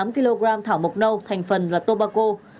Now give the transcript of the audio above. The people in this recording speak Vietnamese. bảy mươi tám kg thảo mộc nâu thành phần là tô ba cô